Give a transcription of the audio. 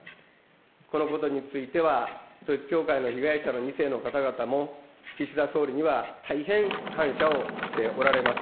このことについては、統一教会の被害者の２世の方々も、岸田総理には大変感謝をしておられます。